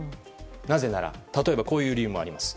なぜなら例えばこういう理由もあります。